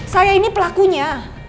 saya ini pelakunya